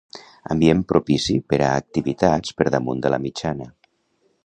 Ambient propici per a activitats per damunt de la mitjana.